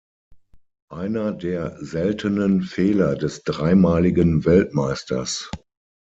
Einer der seltenen Fehler des dreimaligen Weltmeisters.